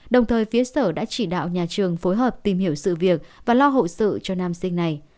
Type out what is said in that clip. đồng thời phía sở đã chỉ đạo nhà trường phối hợp tìm hiểu sự việc và lo hậu sự cho nam sinh này